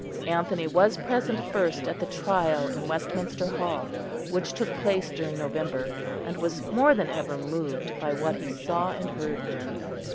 Anthony was present first at the trial in Westminster Hall, which took place during November, and was more than ever moved by what he saw and heard there.